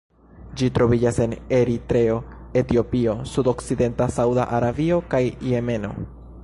Ĝi troviĝas en Eritreo, Etiopio, sudokcidenta Sauda Arabio kaj Jemeno.